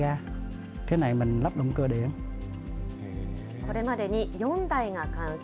これまでに４台が完成。